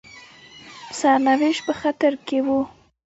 سرنوشت په خطر کې وو.